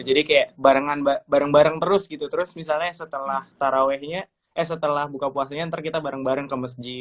jadi kayak bareng bareng terus gitu terus misalnya setelah buka puasanya ntar kita bareng bareng ke masjid